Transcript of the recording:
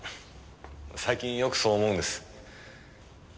最近よくそう思うんです。